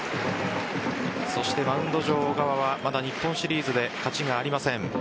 そしてマウンド上、小川はまだ日本シリーズで勝ちがありません。